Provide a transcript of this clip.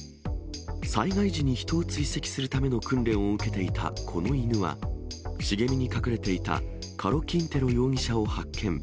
災害時に人を追跡するための訓練を受けていたこの犬は、茂みに隠れていたカロ・キンテロ容疑者を発見。